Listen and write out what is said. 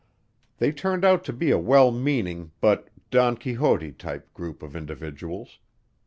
They turned out to be a well meaning but Don Quixote type group of individuals.